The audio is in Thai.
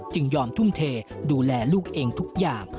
ยอมทุ่มเทดูแลลูกเองทุกอย่าง